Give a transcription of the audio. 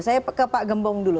saya ke pak gembong dulu